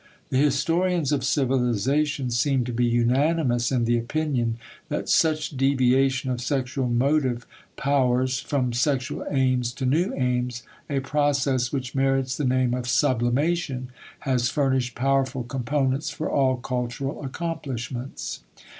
The historians of civilization seem to be unanimous in the opinion that such deviation of sexual motive powers from sexual aims to new aims, a process which merits the name of sublimation, has furnished powerful components for all cultural accomplishments.